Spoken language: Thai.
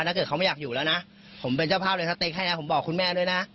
ถ้าเกิดเขาไม่อยากอยู่แล้วนะผมเป็นเจ้าภาพเลยสเต็กให้นะผมบอกคุณแม่ด้วยนะ